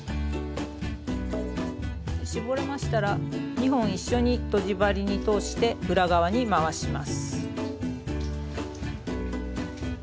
絞れましたら２本一緒にとじ針に通して裏側に回します。